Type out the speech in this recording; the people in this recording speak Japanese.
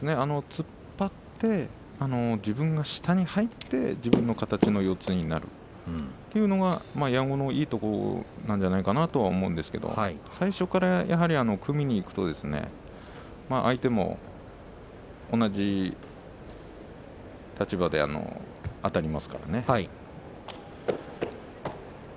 突っ張って自分が下に入って自分の形の四つになるというのが矢後のいいところなんじゃないかなと思うんですけれど最初から組みにいくと相手も同じ立場であたりますからね。